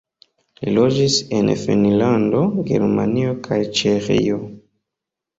Li loĝis en Finnlando, Germanio kaj Ĉeĥio.